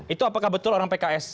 itu apakah betul orang pks